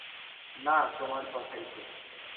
না, তোমার কথাই ঠিক।